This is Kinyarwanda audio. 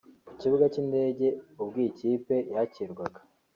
Ku kibuga cy’indege ubwo iyi kipe yakirwaga